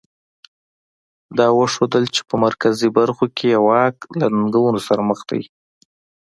دا وښودل چې په مرکزي برخو کې یې واک له ننګونو سره مخ دی.